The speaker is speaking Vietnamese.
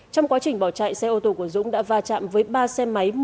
trong quá trình bỏ chạy xe ô tô của dũng đã va chạm với ba xe máy